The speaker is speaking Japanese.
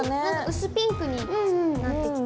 薄ピンクになってきた。